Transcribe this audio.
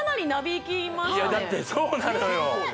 いやだってそうなのよ